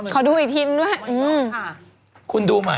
เขาดูอีกพิษด้วยอื้มคุณดูมั้ย